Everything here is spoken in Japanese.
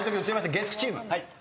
月９チーム。